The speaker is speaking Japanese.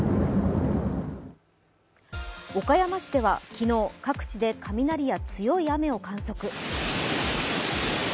岡山市では昨日、各地で雷や強い雨を観測。